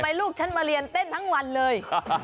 ลูกฉันมาเรียนเต้นทั้งวันเลย